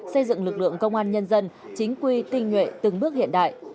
xây dựng lực lượng công an nhân dân chính quy tình nguyện từng bước hiện đại